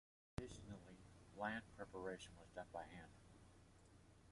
Traditionally, land preparation was done by hand.